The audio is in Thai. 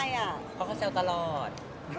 เพราะเขาแซวตลอด